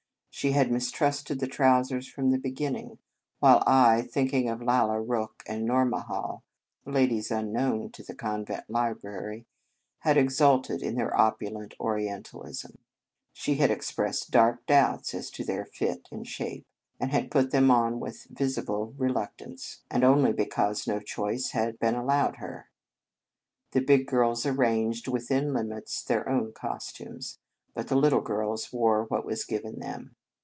She had mis trusted the trousers from the begin ning, while I, thinking of Lalla Rookh and Nourmahal (ladies unknown to the convent library), had exulted in their opulent Orientalism. She had expressed dark doubts as to their fit and shape; and had put them on with visible reluctance, and only because 5 2 The Convent Stage no choice had been allowed her. The big girls arranged within limits their own costumes, but the little girls wore what was given them.